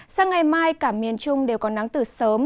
sáng ngày mai cả miền trung đều còn nắng từ sớm